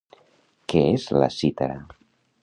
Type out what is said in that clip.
Què és la cítara?